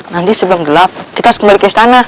nanti sebelum gelap kita harus kembali ke istana